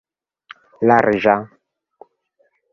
larĝa